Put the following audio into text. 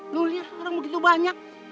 lu liat orang begitu banyak